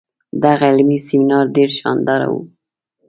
دغه علمي سیمینار ډیر شانداره وو.